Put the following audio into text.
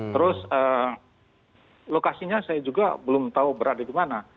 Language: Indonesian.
terus lokasinya saya juga belum tahu berada di mana